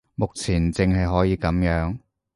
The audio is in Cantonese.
目前淨係可以噉樣